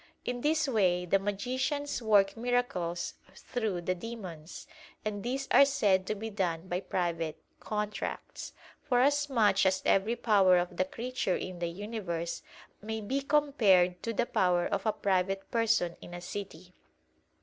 In this way the magicians work miracles through the demons; and these are said to be done by "private contracts," forasmuch as every power of the creature, in the universe, may be compared to the power of a private person in a city.